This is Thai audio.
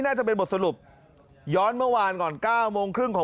น่าจะเป็นบทสรุปย้อนเมื่อวานก่อน๙โมงครึ่งของ